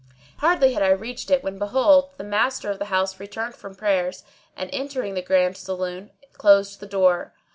Hardly had I reached it when behold, the master of the house returned from prayers and entering the great saloon, closed the door.